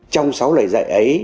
trong sáu lời dạy ấy